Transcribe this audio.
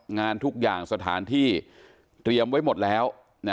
งานทุกอย่างสถานที่เตรียมไว้หมดแล้ว